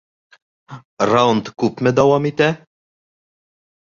Раунд күпме дауам итә?